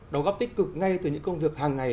đóng góp tích cực ngay từ những công việc hàng ngày